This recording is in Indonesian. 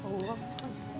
kalau aku berpikir jatuh itu